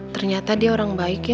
ternyata dia orang baik ya